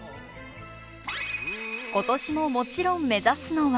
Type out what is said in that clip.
今年ももちろん目指すのは。